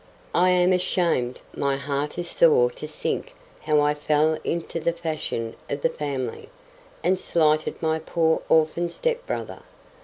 I am ashamed—my heart is sore to think how I fell into the fashion of the family, and slighted my poor orphan step brother.